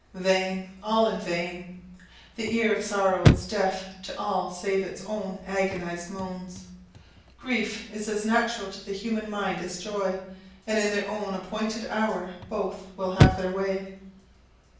Vain all in vain. The ear of sorrow is deaf to all save its own agonised moans. Grief is as natural to the human mind as joy, and in their own appointed hour both will have their way.